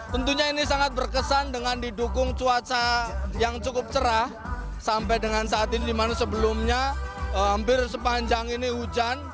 tentunya ini sangat berkesan dengan didukung cuaca yang cukup cerah sampai dengan saat ini dimana sebelumnya hampir sepanjang ini hujan